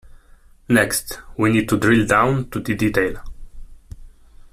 Next, we need to drill down to the detail.